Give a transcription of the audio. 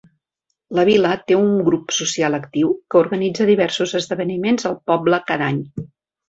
La vila té un grup social actiu que organitza diversos esdeveniments al poble cada any.